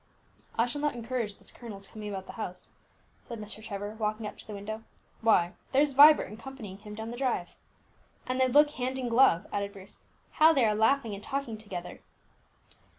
"I shall not encourage this colonel's coming about the house," said Mr. Trevor, walking up to the window. "Why, there's Vibert accompanying him down the drive!" "And they look hand and glove," added Bruce. "How they are laughing and talking together!"